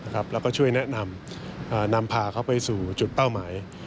แล้วก็ช่วยแนะนำนำพาเขาไปสู่จุดเป้าหมาย